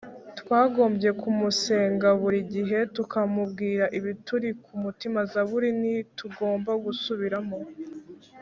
Twagombye kumusenga buri gihe tukamubwira ibituri ku mutima Zaburi Ntitugomba gusubiramo